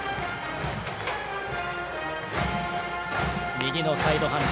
右のサイドハンド。